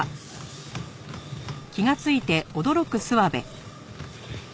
あっ。